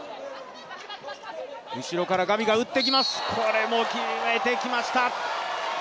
後ろからガビが打ってきます、これも決めてきました。